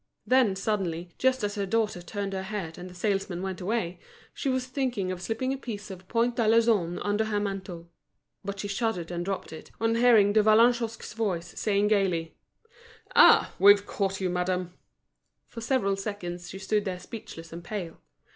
Then suddenly, just as her daughter turned her head and the salesman went away, she was thinking of slipping a piece of point d'Alençon under her mantle. But she shuddered, and dropped it, on hearing De Vallagnosc's voice saying gaily: "Ah! we've caught you, madame." For several seconds she stood there speechless and pale.